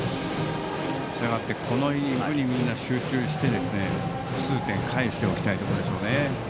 このイニングにみんな集中して複数点返しておきたいところですね。